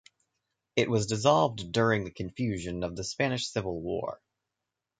It was dissolved during the confusion of the Spanish Civil War.